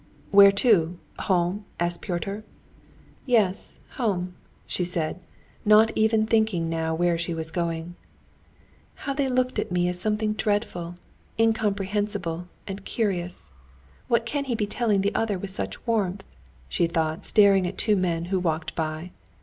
"Where to? Home?" asked Pyotr. "Yes, home," she said, not even thinking now where she was going. "How they looked at me as something dreadful, incomprehensible, and curious! What can he be telling the other with such warmth?" she thought, staring at two men who walked by.